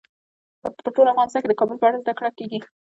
په ټول افغانستان کې د کابل په اړه زده کړه کېږي.